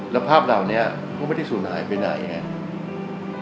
แล้วภาพเหล่านี้ก็ไม่ได้สูญหายไปไหนไง